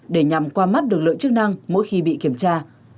để nhằm qua mắt được lưỡi chức năng mỗi khi bị kiểm tra